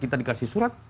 kita dikasih surat